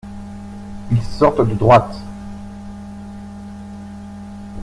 Ils sortent de droite.